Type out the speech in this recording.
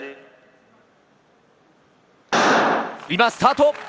今、スタート。